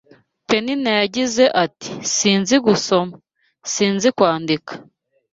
Penina yagize ati: “Sinzi gusoma, sinzi kwandika